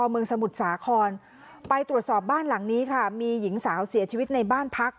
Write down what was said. เมืองสมุทรสาครไปตรวจสอบบ้านหลังนี้ค่ะมีหญิงสาวเสียชีวิตในบ้านพัก